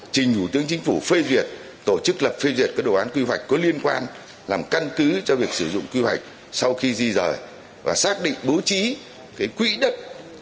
trình thủ tướng chính phủ phê duyệt tổ chức lập phê duyệt các đồ án quy hoạch có liên quan làm căn cứ cho việc sử dụng quy hoạch sau khi di rời và xác định bố trí quỹ đất